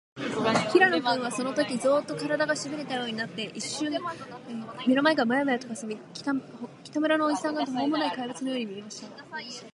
平野君は、そのとき、ゾーッと、からだが、しびれたようになって、いっしゅんかん目の前がモヤモヤとかすみ、北村のおじさんが、とほうもない怪物のように見えました。